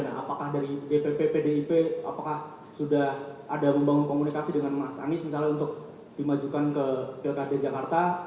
nah apakah dari dpp pdip apakah sudah ada membangun komunikasi dengan mas anies misalnya untuk dimajukan ke pilkada jakarta